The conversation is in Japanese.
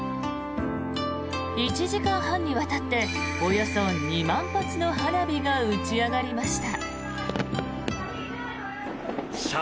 １時間半にわたっておよそ２万発の花火が打ち上がりました。